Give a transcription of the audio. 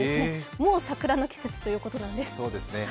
もう桜の季節ということなんです。